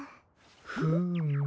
フーム。